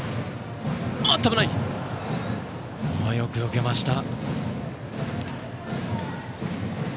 よくよけました。